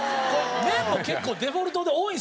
麺も結構デフォルトで多いんですよね。